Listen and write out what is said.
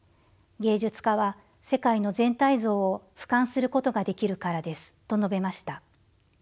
芸術家は世界の全体像をふかんすることができるからです」と述べました。